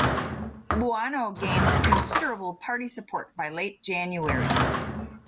Buono gained considerable party support by late January.